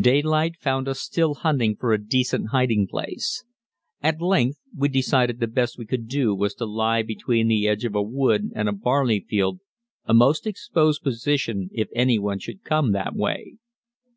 Daylight found us still hunting for a decent hiding place. At length we decided the best we could do was to lie between the edge of a wood and a barley field, a most exposed position if anyone should come that way.